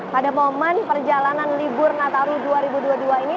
pada momen perjalanan libur nataru dua ribu dua puluh dua ini